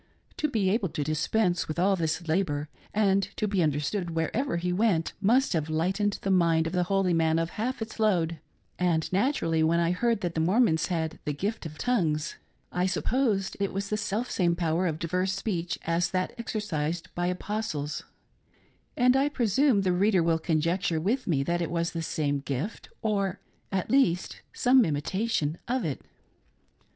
To be able to dispense with all this labor, and to be understood wherever he went, must have lightened the mind of the holy man of half its load ; and naturally, when I heard that the Mormons had " the Gift of Tongues," I supposed it was the self same power of diverse speech as that exercised by the Apostles ; and I presume the reader will conjecture with me that it was the same "gift," or, at least, some imitation of it.